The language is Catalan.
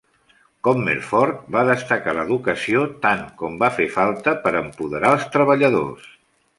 Commerford va destacar l'educació tan com va fer falta per empoderar els treballadors.